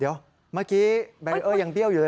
เดี๋ยวเมื่อกี้แบรีเออร์ยังเบี้ยวอยู่เลย